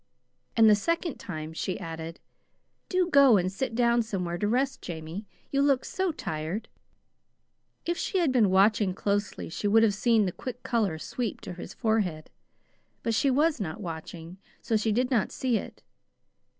And the second time she added: "Do go and sit down somewhere to rest, Jamie. You look so tired!" If she had been watching closely she would have seen the quick color sweep to his forehead. But she was not watching, so she did not see it.